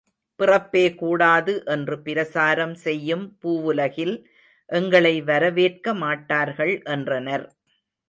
பிறப்பே கூடாது என்று பிரசாரம் செய்யும் பூவுலகில் எங்களை வரவேற்கமாட்டார்கள் என்றனர்.